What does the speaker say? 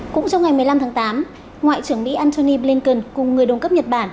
cũng trong ngày một mươi năm tháng tám ngoại trưởng mỹ antony blinken cùng người đồng cấp nhật bản